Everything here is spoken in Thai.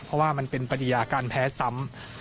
เพราะว่ามันเป็นปฏิญาการแพ้ซ้ำ